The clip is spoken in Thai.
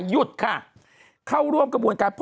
หยุดค่ะเข้าร่วมกระบวนการ